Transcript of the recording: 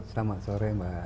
selamat sore mbak